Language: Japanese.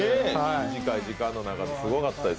短い時間の中ですごかったです。